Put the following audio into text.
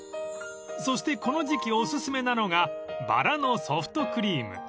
［そしてこの時期お薦めなのがバラのソフトクリーム］